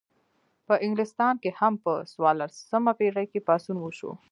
په انګلستان کې هم په څوارلسمه پیړۍ کې پاڅون وشو.